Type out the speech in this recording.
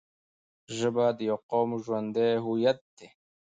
ژبه د یوه قوم ژوندی هویت دی